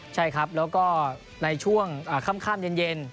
ใช่ครับแล้วก็ในช่วงค่ำเย็น